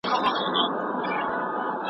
که ديدن غواړې پناه کېږم